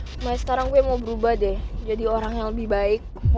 cuma sekarang gue mau berubah deh jadi orang yang lebih baik